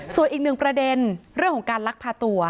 ส่วนอีกหนึ่งประเด็นเรื่องของการลักพาตัว